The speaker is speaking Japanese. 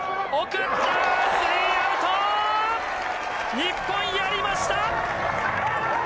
日本、やりました！